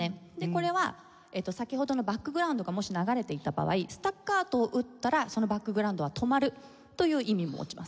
これは先ほどのバックグラウンドがもし流れていた場合スタッカートを打ったらそのバックグラウンドは「止まる」という意味も持ちます。